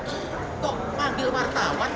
untuk memanggil wartawan